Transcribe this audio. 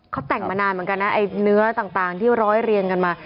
เขาแต่งมานานเหมือนกันนะไอ้เนื้อต่างที่ร้อยเรียงกันมา